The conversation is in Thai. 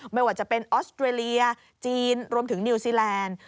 ไม่ว่าจะเป็นออสเตรเลียจีนรวมถึงนิวซีแลนด์